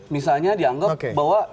misalnya dianggap bahwa